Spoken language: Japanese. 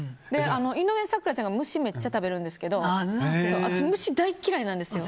井上咲楽ちゃんが虫めっちゃ食べるんですけど私、虫大嫌いなんですよ。